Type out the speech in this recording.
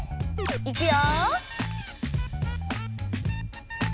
いくよ。